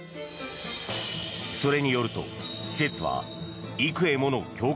それによると、施設は幾重もの強化